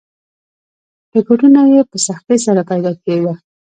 ټکټونه یې په سختۍ سره پیدا کېدل.